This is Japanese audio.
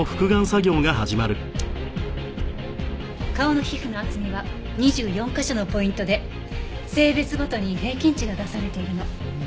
顔の皮膚の厚みは２４カ所のポイントで性別ごとに平均値が出されているの。